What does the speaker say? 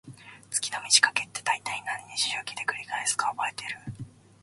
月の満ち欠けって、だいたい何日周期で繰り返すか覚えてる？